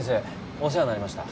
お世話になりました。